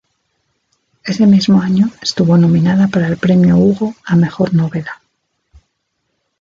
Ese mismo año estuvo nominada para el Premio Hugo a mejor novela.